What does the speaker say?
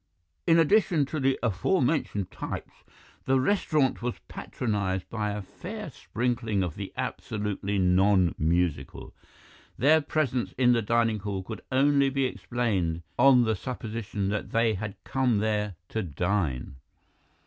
"In addition to the aforementioned types the restaurant was patronized by a fair sprinkling of the absolutely nonmusical; their presence in the dining hall could only be explained on the supposition that they had come there to dine.